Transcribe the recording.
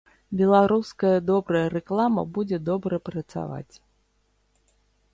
Беларуская добрая рэклама будзе добра працаваць.